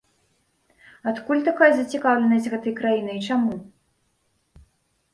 Адкуль такая зацікаўленасць гэтай краінай і чаму?